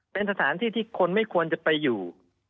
เป็นสถานที่ที่คนไม่ควรจะไปอยู่